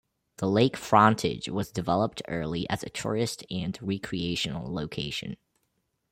The lake frontage was developed early as a tourist and recreational location.